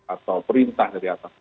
atau perintah dari atas